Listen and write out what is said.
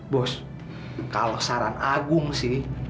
bos kalau saran agung sih